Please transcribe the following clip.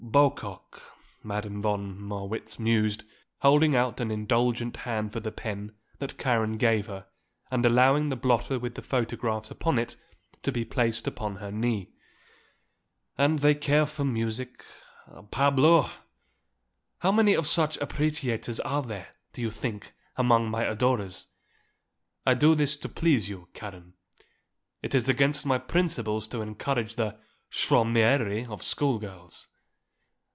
"Bocock," Madame von Marwitz mused, holding out an indulgent hand for the pen that Karen gave her and allowing the blotter with the photographs upon it to be placed upon her knee. "And they care for music, parbleu! How many of such appreciators are there, do you think, among my adorers? I do this to please you, Karen. It is against my principles to encourage the schwärmerei of schoolgirls.